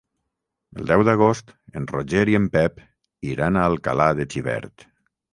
El deu d'agost en Roger i en Pep iran a Alcalà de Xivert.